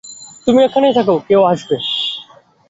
তুমি ওখানেই থাকো কেউ আসবে।